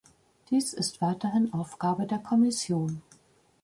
Dies ist weiterhin Aufgabe der Kommission.